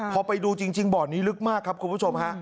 พอไปดูจริงบ่อนี้ลึกมากครับคุณผู้ชมฮะ